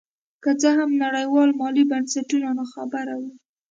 که څه هم نړیوال مالي بنسټونه نا خبره وو.